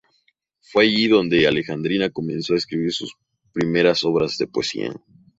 Fue allí donde Alejandrina comenzó a escribir sus primeras obras de poesía.